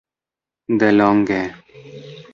delonge